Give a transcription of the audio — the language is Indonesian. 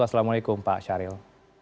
assalamu'alaikum pak syahril